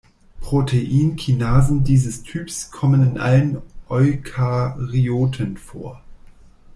Proteinkinasen dieses Typs kommen in allen Eukaryoten vor.